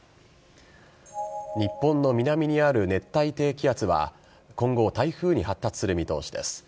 日本の南にある熱帯低気圧は今後、台風に発達する見通しです。